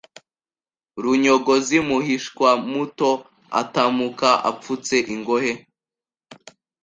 Runyogozi muhishwamuto Atamuka apfutse ingohe